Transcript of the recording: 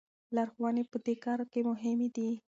لارښوونې په دې کار کې مهمې دي.